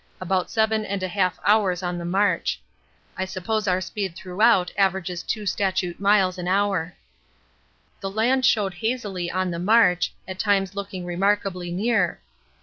About 7 1/2 hours on the march. I suppose our speed throughout averages 2 stat. miles an hour. The land showed hazily on the march, at times looking remarkably near.